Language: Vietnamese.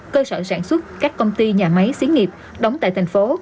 cơ sở sản xuất các công ty nhà máy xí nghiệp đóng tại thành phố